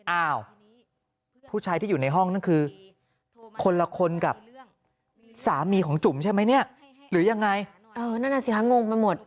เอ่าผู้ชายที่อยู่ในห้องนั่นคือคนละคนกับสามารถมีของจุ่มใช่ไหมเนี่ยหรือยังไง